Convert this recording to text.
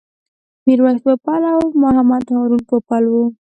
میرویس پوپل او محمد هارون پوپل و.